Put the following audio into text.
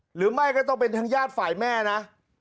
หรือไม่ก็ต้องเป็นทางญาติฝ่ายแม่นะ